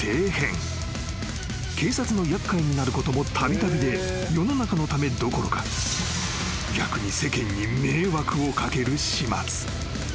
［警察のやっかいになることもたびたびで世の中のためどころか逆に世間に迷惑を掛ける始末］